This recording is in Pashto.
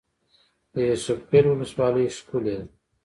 د یوسف خیل ولسوالۍ ښکلې ده